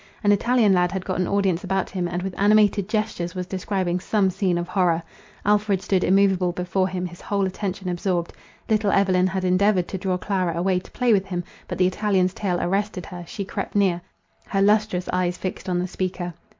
An Italian lad had got an audience about him, and with animated gestures was describing some scene of horror. Alfred stood immoveable before him, his whole attention absorbed. Little Evelyn had endeavoured to draw Clara away to play with him; but the Italian's tale arrested her, she crept near, her lustrous eyes fixed on the speaker.